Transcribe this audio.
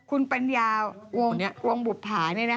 คุณปัญญาววงบุปฐานี่นะคะ